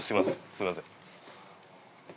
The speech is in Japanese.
すいません。